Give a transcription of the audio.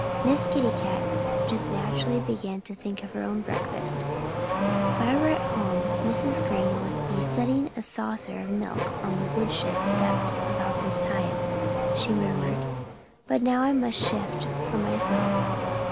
Miss Kitty Cat just naturally began to think of her own breakfast. "If I were at home, Mrs. Green would be setting a saucer of milk on the woodshed steps about this time," she murmured. "But now I must shift for myself."